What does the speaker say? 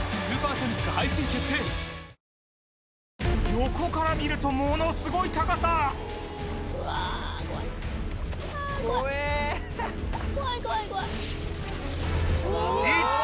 横から見るとものすごい高さいった！